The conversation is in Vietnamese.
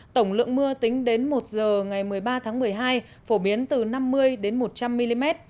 tổng lượng mưa tính đến một h ngày một mươi ba tháng một mươi hai phổ biến từ năm mươi đến một trăm linh mm